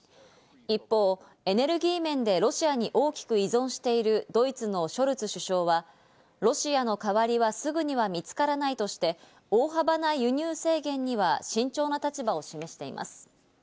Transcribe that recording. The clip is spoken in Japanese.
一方、エネルギー面でロシアに大きく依存しているドイツのショルツ首相は、ロシアの代わりはすぐには見つからないとして、大幅な輸入制限には慎重な立場を示しています。